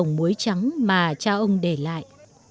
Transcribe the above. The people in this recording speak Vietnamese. cánh đồng muối trắng mà cha ông để lại